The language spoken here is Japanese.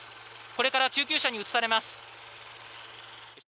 これから救急車に移されます。